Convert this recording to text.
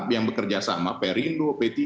yang bekerja sama perindo pt